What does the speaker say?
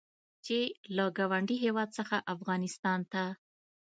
چې له ګاونډي هېواد څخه افغانستان ته